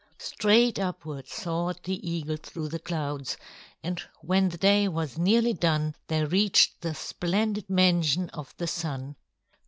Straight upward soared the eagle through the clouds, and when the day was nearly done they reached the splendid mansion of the Sun.